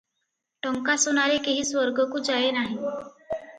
ଟଙ୍କାସୁନାରେ କେହି ସ୍ୱର୍ଗକୁ ଯାଏ ନାହିଁ ।